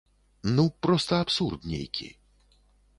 Ну, проста абсурд нейкі.